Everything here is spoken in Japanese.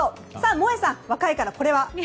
萌さん、若いからこれは？